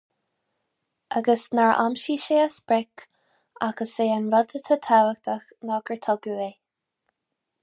Agus nár aimsigh sé a sprioc ach is é an rud atá tábhachtach ná gur tugadh é.